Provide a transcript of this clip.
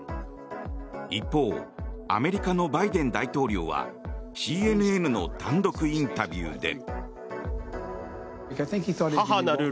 一方アメリカのバイデン大統領はＣＮＮの単独インタビューで。